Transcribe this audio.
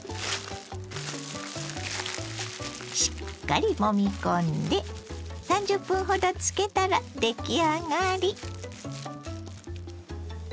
しっかりもみ込んで３０分ほど漬けたら出来上がり。